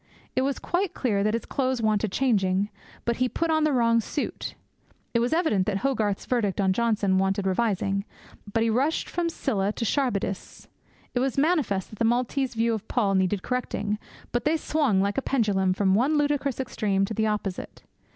It was quite clear that his clothes wanted changing, but he put on the wrong suit. It was evident that Hogarth's verdict on Johnson wanted revising, but he rushed from Scylla to Charybdis. It was manifest that the Maltese view of Paul needed correcting, but they swung, like a pendulum, from one ludicrous extreme to the opposite.